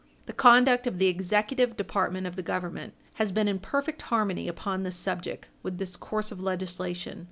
The conduct of the Executive Department of the Government has been in perfect harmony upon this subject with this course of legislation.